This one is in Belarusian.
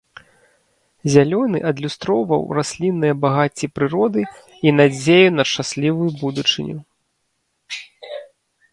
Зялёны адлюстроўваў раслінныя багацці прыроды і надзею на шчаслівую будучыню.